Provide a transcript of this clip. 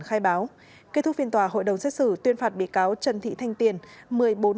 khai báo kết thúc phiên tòa hội đồng xét xử tuyên phạt bị cáo trần thị thanh tiền